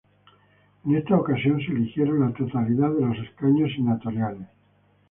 En esta ocasión se eligieron la totalidad de los escaños senatoriales.